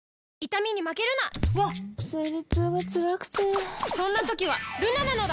わっ生理痛がつらくてそんな時はルナなのだ！